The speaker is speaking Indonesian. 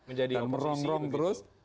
menjadi oposisi itu gitu dan merongrong terus